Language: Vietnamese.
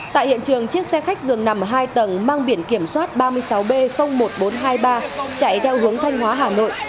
tại hiện trường chiếc xe khách dường nằm hai tầng mang biển kiểm soát ba mươi sáu b một nghìn bốn trăm hai mươi ba chạy theo hướng thanh hóa hà nội